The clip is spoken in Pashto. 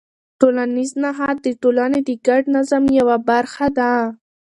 ټولنیز نهاد د ټولنې د ګډ نظم یوه برخه ده.